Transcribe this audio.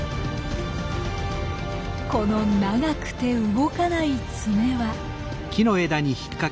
この長くて動かないツメは。